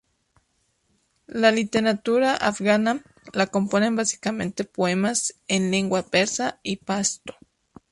La literatura afgana la componen básicamente poemas en lengua persa y pashto.